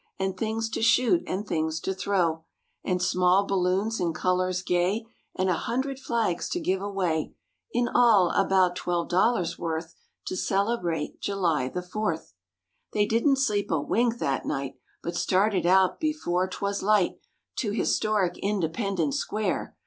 And things to shoot and things to throw; And small balloons in colors gay And a hundred flags to give away; In all about twelve dollars' worth To celebrate July the Fourth. THE BEARS CELEBRATE THE FOURTH They didn't sleep a wink that night But started out before 'twas light, To historic Independence Square.